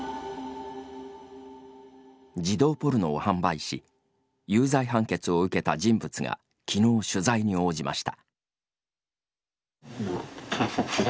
児童ポルノを販売し有罪判決を受けた人物がきのう取材に応じました。